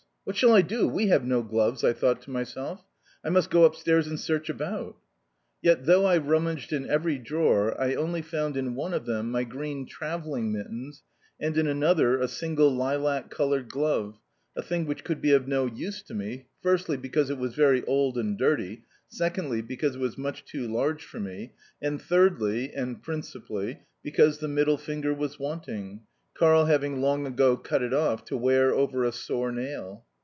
What shall I do? We have no gloves," I thought to myself. "I must go upstairs and search about." Yet though I rummaged in every drawer, I only found, in one of them, my green travelling mittens, and, in another, a single lilac coloured glove, a thing which could be of no use to me, firstly, because it was very old and dirty, secondly, because it was much too large for me, and thirdly (and principally), because the middle finger was wanting Karl having long ago cut it off to wear over a sore nail.